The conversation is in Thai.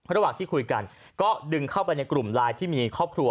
ระหว่างที่คุยกันก็ดึงเข้าไปในกลุ่มไลน์ที่มีครอบครัว